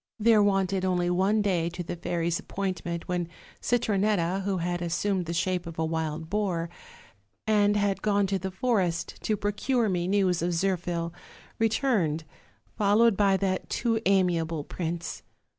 "There wanted only one day to the fairies' appoint ment when Citronett^ who had assumed the shape of a wild boar, and had gone to the forest to procure me news of Zirphil, returned, followed by that too amiable prince.